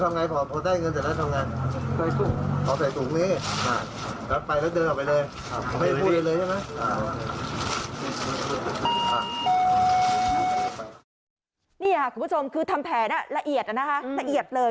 นี่ค่ะคุณผู้ชมคือทำแผนละเอียดนะคะละเอียดเลย